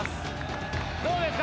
どうですか？